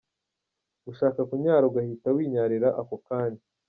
Gushaka kunyara ugahita winyarira ako kanya.